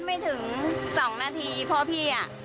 มันเป็นแบบที่สุดท้าย